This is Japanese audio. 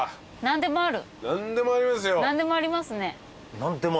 何でもあります。